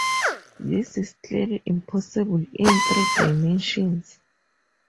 This is clearly impossible in three dimensions.